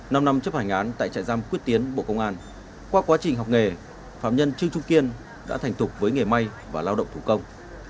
năm năm chấp hành án tại trại giam quyết tiến bộ công an qua quá trình học nghề phạm nhân trương trung kiên đã thành tục với nghề may và lao động thủ công